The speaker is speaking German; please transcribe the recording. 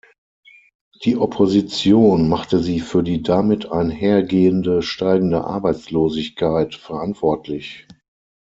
Die Opposition machte sie für die damit einhergehende steigende Arbeitslosigkeit verantwortlich.